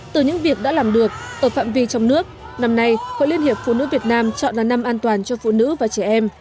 từ những việc đã làm được ở phạm vi trong nước năm nay hội liên hiệp phụ nữ việt nam chọn là năm an toàn cho phụ nữ và trẻ em